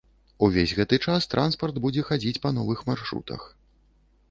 Увесь гэты час транспарт будзе хадзіць па новых маршрутах.